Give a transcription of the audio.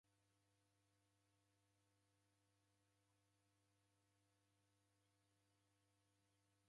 Agha matuku maeleshero gha vindo va w'akongo ghaghalusiro.